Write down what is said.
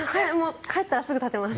帰ったらすぐに立てます。